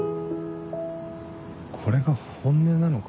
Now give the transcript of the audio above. これが本音なのか？